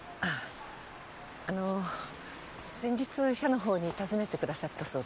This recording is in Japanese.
ああの先日社の方に訪ねてくださったそうで。